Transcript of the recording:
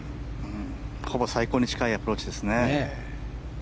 ほぼ最高に近いアプローチですね。